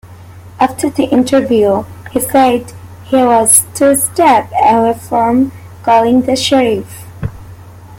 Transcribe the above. After the interview, he said he was two steps away from calling the sheriff.